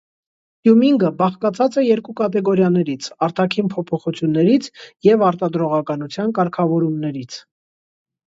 Տյումինգը բաժանված է երկու կատեգորիաներից՝ արտաքին փոփոխություններից և արտադրողականության կարգավորումներից։